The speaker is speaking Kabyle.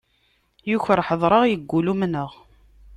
Yuker ḥedṛeɣ, yeggul umneɣ.